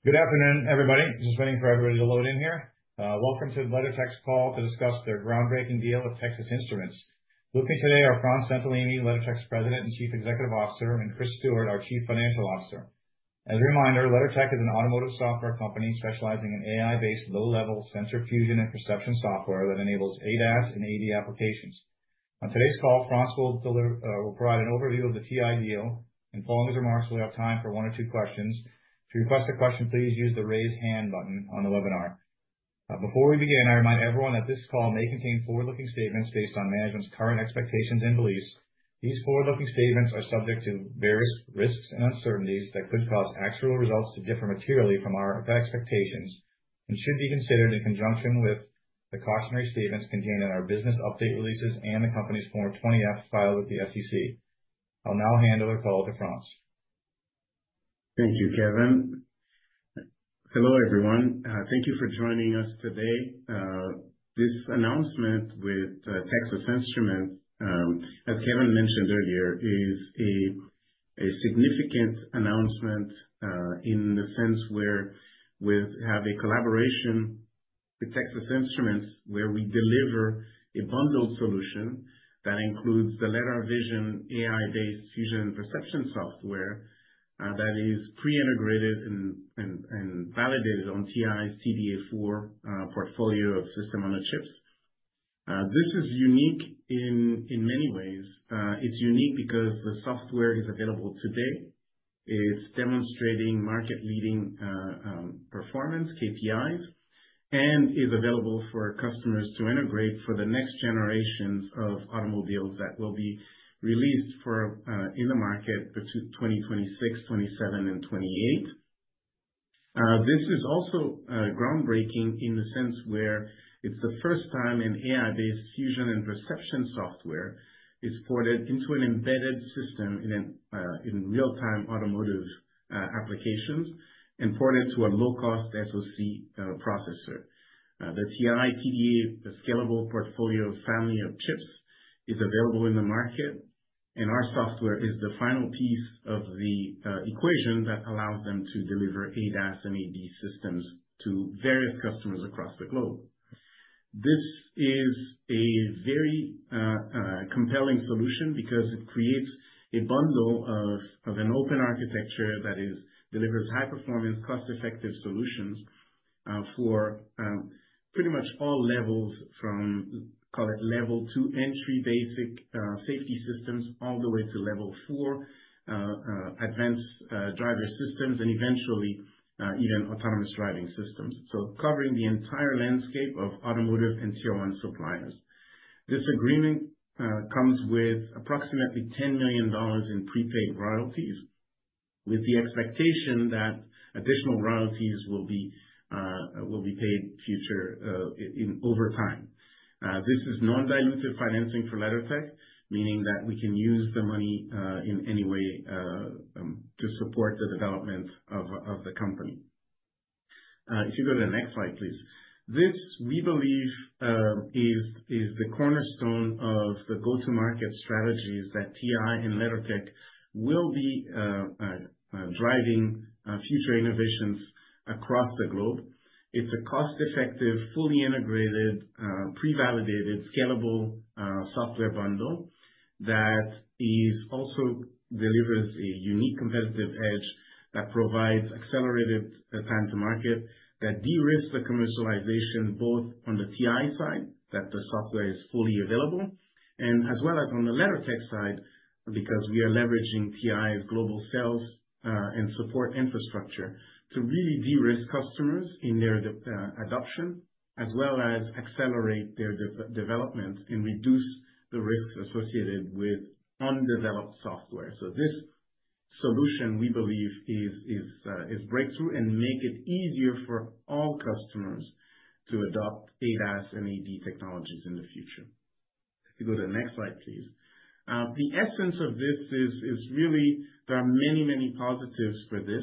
Good afternoon, everybody. Just waiting for everybody to load in here. Welcome to the LeddarTech's call to discuss their groundbreaking deal with Texas Instruments. With me today are Frantz Saintellemy, LeddarTech's President and Chief Executive Officer, and Chris Stewart, our Chief Financial Officer. As a reminder, LeddarTech is an automotive software company specializing in AI-based low-level sensor fusion and perception software that enables ADAS and AD applications. On today's call, Frantz will provide an overview of the TI deal, and following his remarks, we'll have time for one or two questions. If you request a question, please use the raise hand button on the webinar. Before we begin, I remind everyone that this call may contain forward-looking statements based on management's current expectations and beliefs. These forward-looking statements are subject to various risks and uncertainties that could cause actual results to differ materially from our expectations and should be considered in conjunction with the cautionary statements contained in our business update releases and the company's Form 20-F filed with the SEC. I'll now hand over the call to Frantz. Thank you, Kevin. Hello, everyone. Thank you for joining us today. This announcement with Texas Instruments, as Kevin mentioned earlier, is a significant announcement in the sense where we have a collaboration with Texas Instruments where we deliver a bundled solution that includes the LeddarVision AI-based fusion perception software that is pre-integrated and validated on TI's TDA4 portfolio of systems-on-chip. This is unique in many ways. It's unique because the software is available today. It's demonstrating market-leading performance KPIs and is available for customers to integrate for the next generations of automobiles that will be released in the market between 2026, 2027, and 2028. This is also groundbreaking in the sense where it's the first time an AI-based fusion and perception software is ported into an embedded system in real-time automotive applications and ported to a low-cost SoC processor. The TI TDA4 scalable portfolio family of chips is available in the market, and our software is the final piece of the equation that allows them to deliver ADAS and AD systems to various customers across the globe. This is a very compelling solution because it creates a bundle of an open architecture that delivers high-performance, cost-effective solutions for pretty much all levels from, call it, Level 2 entry basic safety systems all the way to Level 4 advanced driver systems and eventually even autonomous driving systems, so covering the entire landscape of automotive and Tier 1 suppliers. This agreement comes with approximately $10 million in prepaid royalties with the expectation that additional royalties will be paid over time. This is non-dilutive financing for LeddarTech, meaning that we can use the money in any way to support the development of the company. If you go to the next slide, please. This, we believe, is the cornerstone of the go-to-market strategies that TI and LeddarTech will be driving future innovations across the globe. It's a cost-effective, fully integrated, pre-validated, scalable software bundle that also delivers a unique competitive edge that provides accelerated time to market that de-risk the commercialization both on the TI side that the software is fully available, and as well as on the LeddarTech side because we are leveraging TI's global sales and support infrastructure to really de-risk customers in their adoption as well as accelerate their development and reduce the risks associated with undeveloped software. So this solution, we believe, is breakthrough and makes it easier for all customers to adopt ADAS and AD technologies in the future. If you go to the next slide, please. The essence of this is really there are many, many positives for this.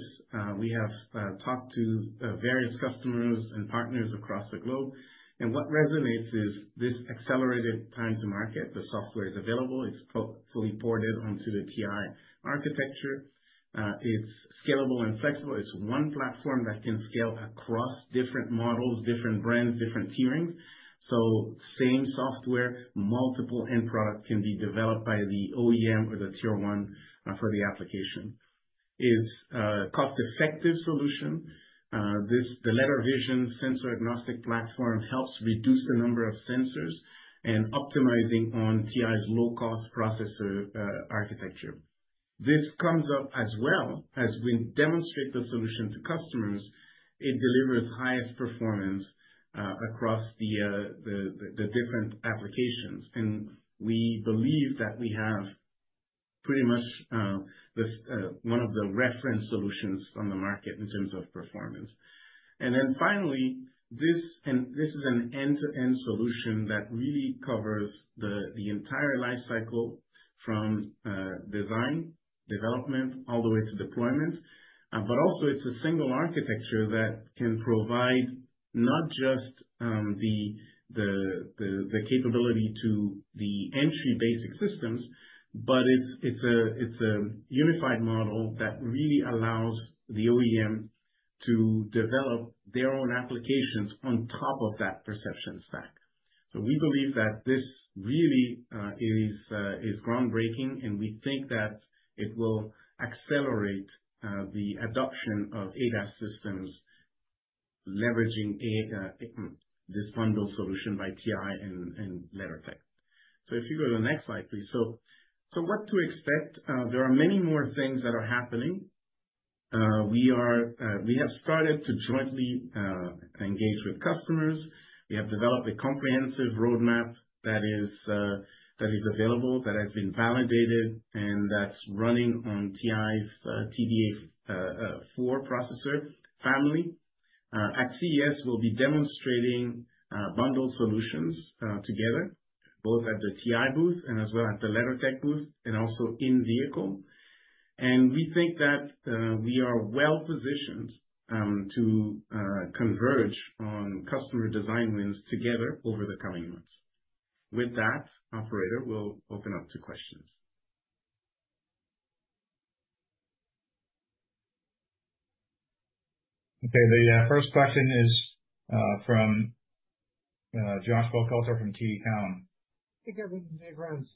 We have talked to various customers and partners across the globe. And what resonates is this accelerated time to market. The software is available. It's fully ported onto the TI architecture. It's scalable and flexible. It's one platform that can scale across different models, different brands, different tierings. So same software, multiple end products can be developed by the OEM or the Tier 1 for the application. It's a cost-effective solution. The LeddarVision sensor-agnostic platform helps reduce the number of sensors and optimizing on TI's low-cost processor architecture. This comes up as well as we demonstrate the solution to customers. It delivers highest performance across the different applications. And we believe that we have pretty much one of the reference solutions on the market in terms of performance. And then finally, this is an end-to-end solution that really covers the entire life cycle from design, development, all the way to deployment. But also, it's a single architecture that can provide not just the capability to the entry basic systems, but it's a unified model that really allows the OEM to develop their own applications on top of that perception stack. So we believe that this really is groundbreaking, and we think that it will accelerate the adoption of ADAS systems leveraging this bundled solution by TI and LeddarTech. So if you go to the next slide, please. So what to expect? There are many more things that are happening. We have started to jointly engage with customers. We have developed a comprehensive roadmap that is available, that has been validated, and that's running on TI's TDA4 processor family. At CES, we'll be demonstrating bundled solutions together, both at the TI booth and as well at the LeddarTech booth and also in vehicle. And we think that we are well positioned to converge on customer design wins together over the coming months. With that, operator, we'll open up to questions. Okay. The first question is from Josh Buchalter from TD Cowen. Hey, Kevin. Hey, Frantz.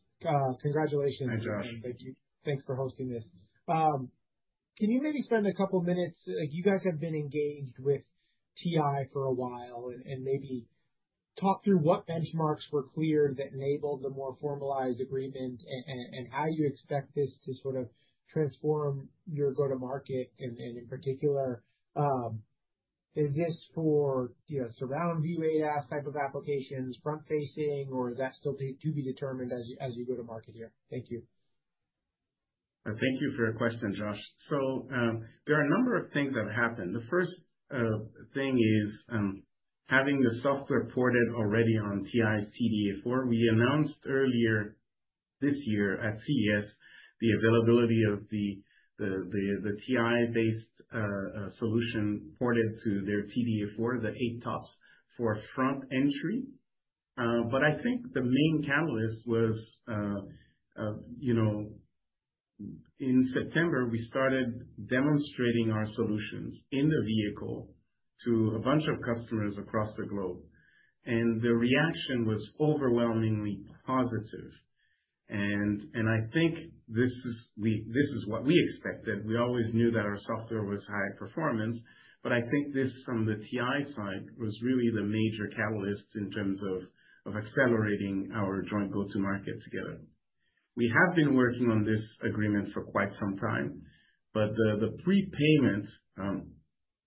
Congratulations. Hi, Josh. Thank you. Thanks for hosting this. Can you maybe spend a couple of minutes? You guys have been engaged with TI for a while and maybe talk through what benchmarks were clear that enabled the more formalized agreement and how you expect this to sort of transform your go-to-market. And in particular, is this for surround view ADAS type of applications, front-facing, or is that still to be determined as you go to market here? Thank you. Thank you for your question, Josh. So there are a number of things that happened. The first thing is having the software ported already on TI's TDA4. We announced earlier this year at CES the availability of the TI-based solution ported to their TDA4, the ADAS for front entry. But I think the main catalyst was in September, we started demonstrating our solutions in the vehicle to a bunch of customers across the globe. And the reaction was overwhelmingly positive. And I think this is what we expected. We always knew that our software was high performance, but I think this from the TI side was really the major catalyst in terms of accelerating our joint go-to-market together. We have been working on this agreement for quite some time, but the prepayment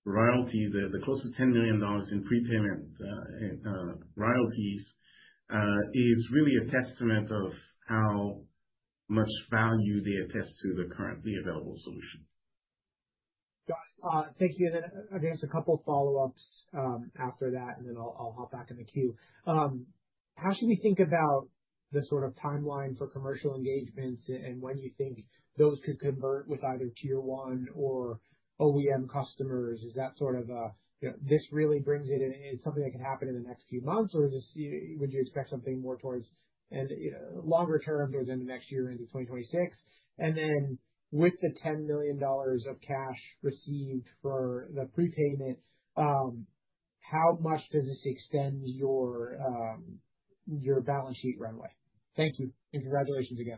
royalty, the close to $10 million in prepayment royalties, is really a testament of how much value they attest to the currently available solution. Got it. Thank you. And then I'm going to ask a couple of follow-ups after that, and then I'll hop back in the queue. How should we think about the sort of timeline for commercial engagements and when you think those could convert with either Tier 1 or OEM customers? Is that sort of a this really brings it in? Is it something that can happen in the next few months, or would you expect something more towards longer term towards the end of next year into 2026? And then with the $10 million of cash received for the prepayment, how much does this extend your balance sheet runway? Thank you. And congratulations again.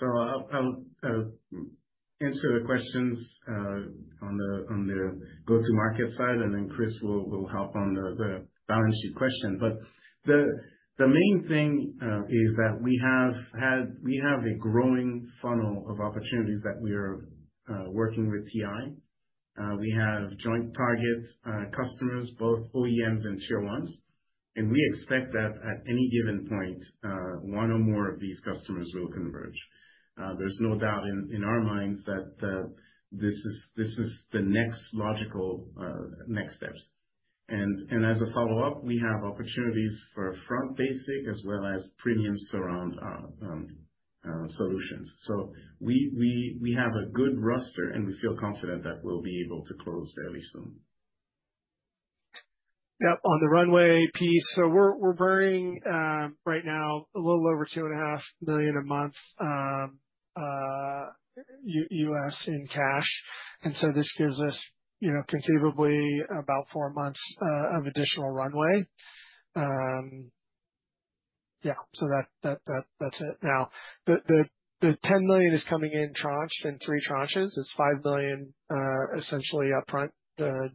So I'll answer the questions on the go-to-market side, and then Chris will help on the balance sheet question. But the main thing is that we have a growing funnel of opportunities that we are working with TI. We have joint target customers, both OEMs and Tier 1s. And we expect that at any given point, one or more of these customers will converge. There's no doubt in our minds that this is the next logical next steps. And as a follow-up, we have opportunities for front basic as well as premium surround solutions. So we have a good roster, and we feel confident that we'll be able to close fairly soon. Yeah. On the runway piece, so we're burning right now a little over $2.5 million a month in cash. And so this gives us conceivably about four months of additional runway. Yeah. So that's it. Now, the $10 million is coming in tranched in three tranches. It's $5 million essentially upfront to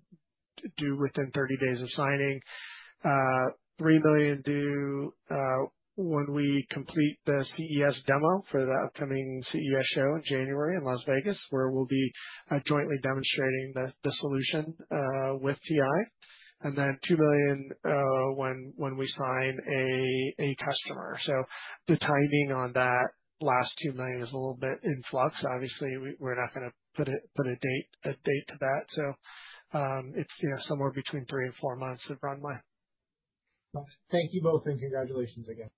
do within 30 days of signing, $3 million due when we complete the CES demo for the upcoming CES show in January in Las Vegas, where we'll be jointly demonstrating the solution with TI, and then $2 million when we sign a customer. So the timing on that last $2 million is a little bit in flux. Obviously, we're not going to put a date to that. So it's somewhere between three and four months of runway. Got it. Thank you both, and congratulations again.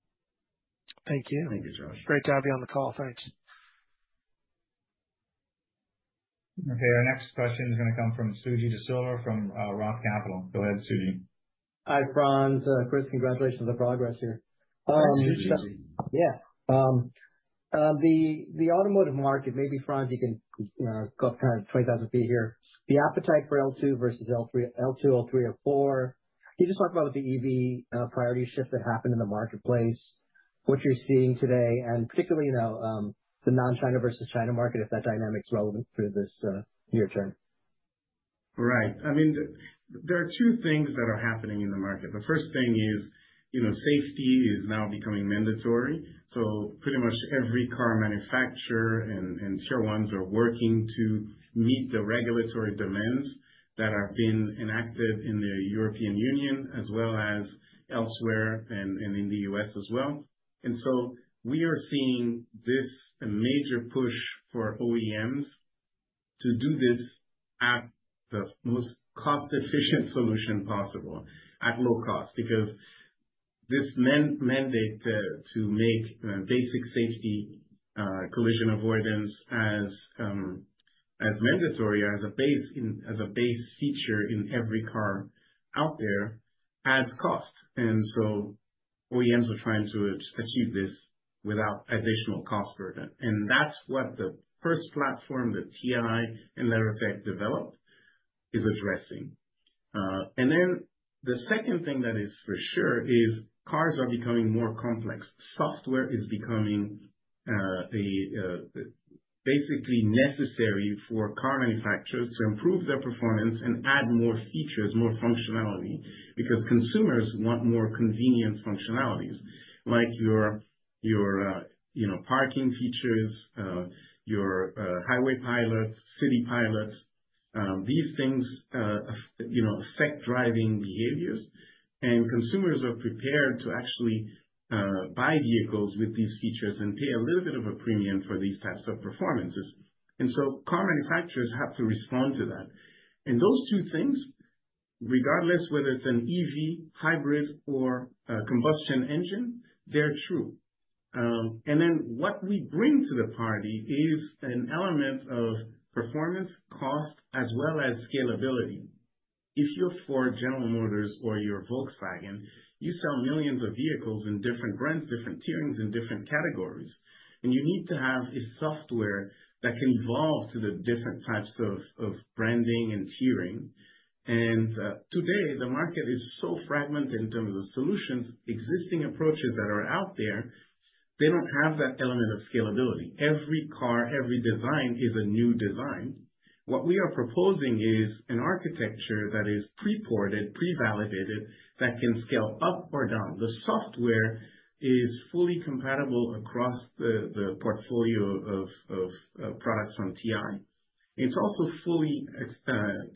Thank you. Thank you, Josh. Great to have you on the call. Thanks. Okay. Our next question is going to come from Suji Desilva from Roth Capital. Go ahead, Suji. Hi, Frantz. Chris, congratulations on the progress here. Hi, Suji. Yeah. The automotive market, maybe Frantz, you can go up kind of 20,000 ft here. The appetite for L2 versus L2, L3, L4. Can you just talk about what the EV priority shift that happened in the marketplace, what you're seeing today, and particularly the non-China versus China market, if that dynamic's relevant for this year term? Right. I mean, there are two things that are happening in the market. The first thing is safety is now becoming mandatory. So pretty much every car manufacturer and Tier 1s are working to meet the regulatory demands that have been enacted in the European Union as well as elsewhere and in the U.S. as well. And so we are seeing this major push for OEMs to do this at the most cost-efficient solution possible at low cost because this mandate to make basic safety collision avoidance as mandatory or as a base feature in every car out there has cost. And so OEMs are trying to achieve this without additional cost burden. And that's what the first platform that TI and LeddarTech developed is addressing. And then the second thing that is for sure is cars are becoming more complex. Software is becoming basically necessary for car manufacturers to improve their performance and add more features, more functionality because consumers want more convenient functionalities like your parking features, your highway pilots, city pilots. These things affect driving behaviors. And consumers are prepared to actually buy vehicles with these features and pay a little bit of a premium for these types of performances. And so car manufacturers have to respond to that. And those two things, regardless whether it's an EV, hybrid, or combustion engine, they're true. And then what we bring to the party is an element of performance, cost, as well as scalability. If you're Ford, General Motors or you're Volkswagen, you sell millions of vehicles in different brands, different tierings, and different categories. And you need to have a software that can evolve to the different types of branding and tiering. Today, the market is so fragmented in terms of solutions, existing approaches that are out there, they don't have that element of scalability. Every car, every design is a new design. What we are proposing is an architecture that is pre-ported, pre-validated, that can scale up or down. The software is fully compatible across the portfolio of products from TI. It's also fully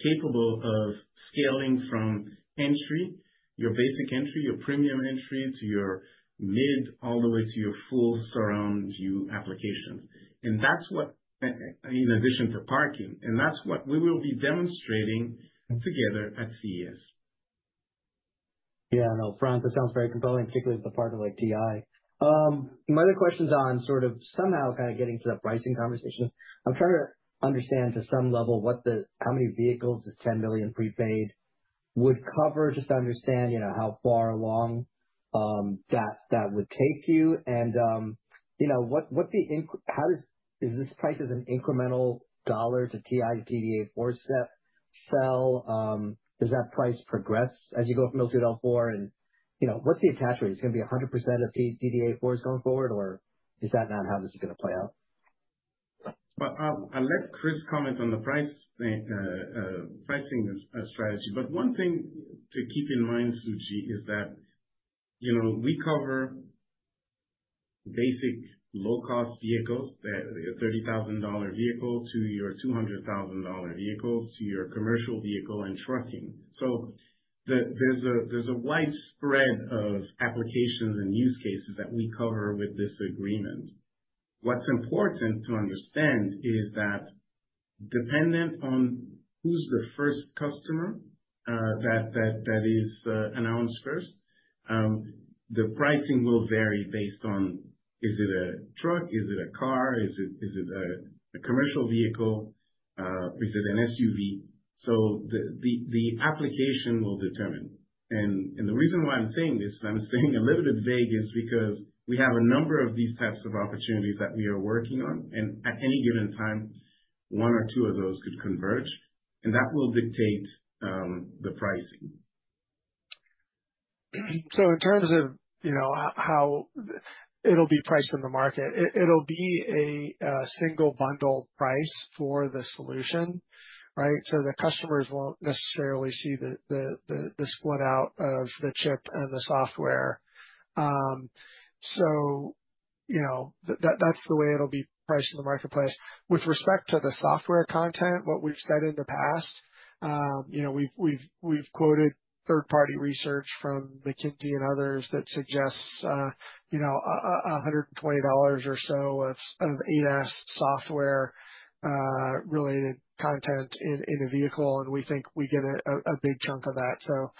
capable of scaling from entry, your basic entry, your premium entry, to your mid, all the way to your full surround view applications. And that's what, in addition to parking. And that's what we will be demonstrating together at CES. Yeah. I know, Frantz, that sounds very compelling, particularly with the part of TI. My other question's on sort of somehow kind of getting to the pricing conversation. I'm trying to understand to some level how many vehicles this $10 million prepaid would cover just to understand how far along that would take you and what the how does is this price as an incremental dollar to TI's TDA4 sell? Does that price progress as you go from L2 to L4? And what's the attachment? Is it going to be 100% of TDA4s going forward, or is that not how this is going to play out? Well, I'll let Chris comment on the pricing strategy. But one thing to keep in mind, Suji, is that we cover basic low-cost vehicles, your $30,000 vehicle to your $200,000 vehicle to your commercial vehicle and trucking. So there's a wide spread of applications and use cases that we cover with this agreement. What's important to understand is that dependent on who's the first customer that is announced first, the pricing will vary based on is it a truck? Is it a car? Is it a commercial vehicle? Is it an SUV? So the application will determine. And the reason why I'm saying this, and I'm staying a little bit vague, is because we have a number of these types of opportunities that we are working on. And at any given time, one or two of those could converge, and that will dictate the pricing. So in terms of how it'll be priced in the market, it'll be a single bundle price for the solution, right? So the customers won't necessarily see the split out of the chip and the software. So that's the way it'll be priced in the marketplace. With respect to the software content, what we've said in the past, we've quoted third-party research from McKinsey and others that suggests $120 or so of ADAS software-related content in a vehicle, and we think we get a big chunk of that. So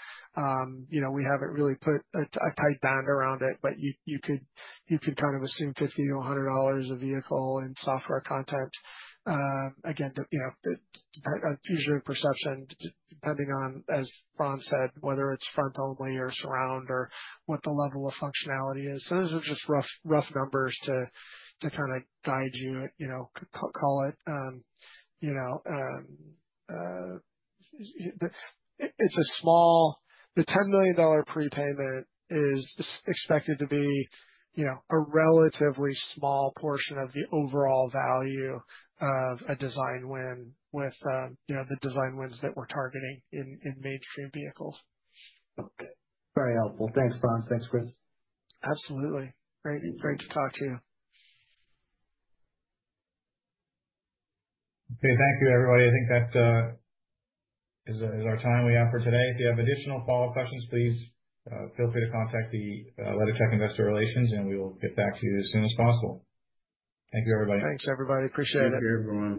we haven't really put a tight band around it, but you could kind of assume $50-$100 a vehicle in software content. Again, usually perception, depending on, as Frantz said, whether it's front-only or surround or what the level of functionality is. So those are just rough numbers to kind of guide you, call it. It's small, the $10 million prepayment is expected to be a relatively small portion of the overall value of a design win with the design wins that we're targeting in mainstream vehicles. Okay. Very helpful. Thanks, Frantz. Thanks, Chris. Absolutely. Great to talk to you. Okay. Thank you, everybody. I think that is our time we have for today. If you have additional follow-up questions, please feel free to contact the LeddarTech investor relations, and we will get back to you as soon as possible. Thank you, everybody. Thanks, everybody. Appreciate it. Thank you, everyone.